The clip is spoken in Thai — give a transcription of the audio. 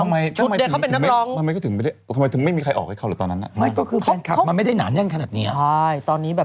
ไม่รู้เลยเนี่ย